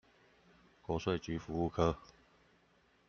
國稅局服務科